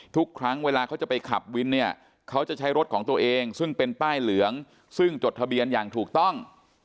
ทุกครั้งเวลาเขาจะไปขับวินเนี่ยเขาจะใช้รถของตัวเองซึ่งเป็นป้ายเหลืองซึ่งจดทะเบียนอย่างถูกต้อง